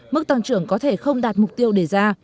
mức tăng trưởng có thể không đạt mục tiêu đề ra